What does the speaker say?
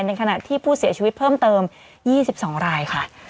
ในขณะที่ผู้เสียชีวิตเพิ่มเติม๒๒รายค่ะ